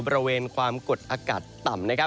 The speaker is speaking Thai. บริเวณความกดอากาศต่ำ